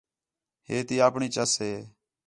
ہے تی آپݨی چَس ہِے